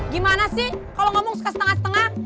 gimana sih kalau ngomong suka setengah setengah